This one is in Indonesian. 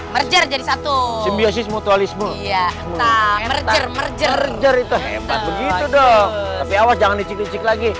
merger jadi satu simbiosis mutualisme iya merger itu hebat begitu dong tapi awas jangan dicik cik lagi